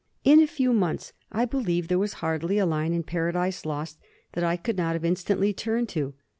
"In a few months, I believe there was hardly a line in Paradise Lost that I could not have instantly turned to.